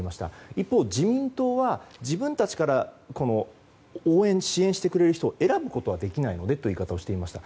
一方、自民党は自分たちから応援、支援してくれる人を選ぶことはできないのでという言い方をしていました。